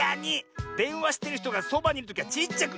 でんわしてるひとがそばにいるときはちっちゃく。